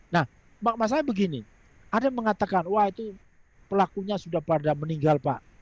nah masalahnya begini ada yang mengatakan wah itu pelakunya sudah pada meninggal pak